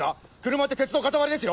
車って鉄の塊ですよ。